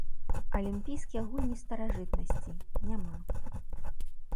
Алімпійскія гульні старажытнасці, няма.